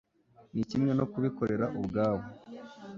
ni kimwe no ku bikorera ubwabo